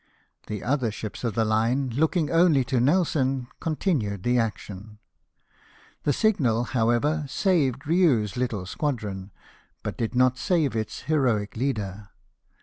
The other ships of the line, looking only to Nelson, continued the action. The signal, however, saved Riou's little squadron, but did not save its heroic leader.